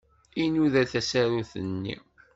Inuda tasarut-nni.